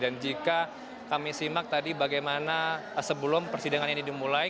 dan jika kami simak tadi bagaimana sebelum persidangan ini dimulai